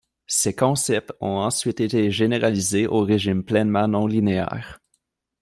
Ces concepts ont ensuite été généralisés au régime pleinement non linéaire.